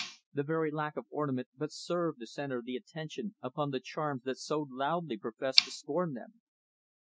The very lack of ornament but served to center the attention upon the charms that so loudly professed to scorn them.